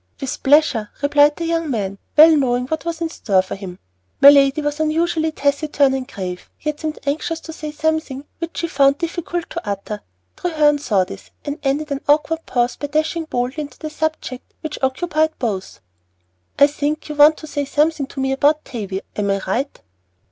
"With pleasure," replied the young man, well knowing what was in store for him. My lady was unusually taciturn and grave, yet seemed anxious to say something which she found difficult to utter. Treherne saw this, and ended an awkward pause by dashing boldly into the subject which occupied both. "I think you want to say something to me about Tavie, Aunt. Am I right?"